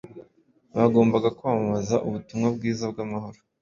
Bagombaga kwamamaza ubutumwa bwiza bw’amahoro